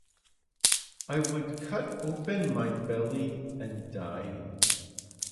I would cut open my belly and die.